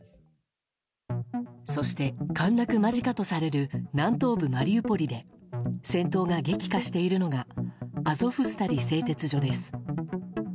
そして、陥落間近とされる南東部マリウポリで戦闘が激化しているのがアゾフスタリ製鉄所です。